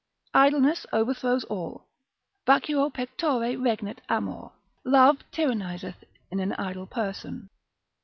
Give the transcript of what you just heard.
Idleness overthrows all, Vacuo pectore regnat amor, love tyranniseth in an idle person.